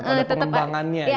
atau ada pengembangannya gitu